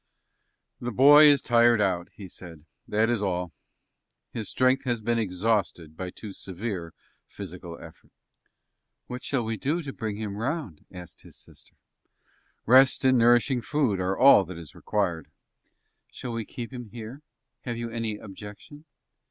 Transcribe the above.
"The boy is tired out," he said. "That is all. His strength has been exhausted by too severe physical effort." "What shall we do to bring him round?" asked his sister. "Rest and nourishing food are all that is required." "Shall we keep him here? Have you any objection?"